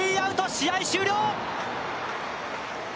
試合終了！